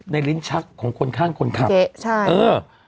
ลิ้นชักของคนข้างคนขับใช่เออ